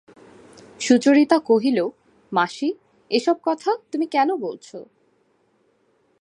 সুচরিতা কহিল, মাসি, এ-সব কথা তুমি কেন বলছ?